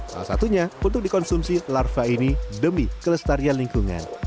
salah satunya untuk dikonsumsi larva ini demi kelestarian lingkungan